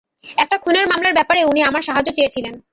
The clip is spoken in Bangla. একটা খুনের মামলার ব্যাপারে উনি আমার সাহায্য চেয়েছিলেন।